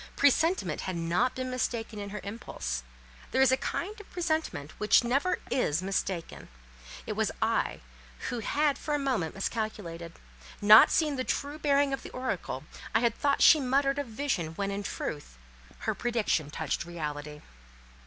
Presentiment had not been mistaken in her impulse: there is a kind of presentiment which never is mistaken; it was I who had for a moment miscalculated; not seeing the true bearing of the oracle, I had thought she muttered of vision when, in truth, her prediction touched reality.